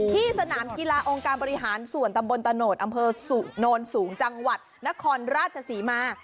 ที่สนามกีฬาองค์การบริหารส่วนตำบลตะโนธอำเภอสุโนนสูงจังหวัดนครราชศรีมา